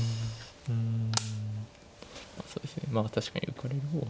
そうですねまあ確かに浮かれる方は。